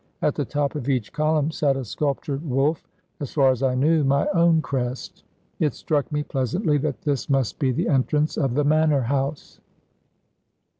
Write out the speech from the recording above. At the top of each column sat a sculptured wolf as far as I knew, my own crest. It struck me pleasantly that this must be the entrance of the Manor house.